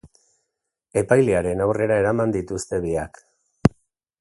Epailearen aurrera eraman dituzte biak.